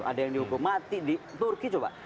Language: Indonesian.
ada yang dihukum mati di turki coba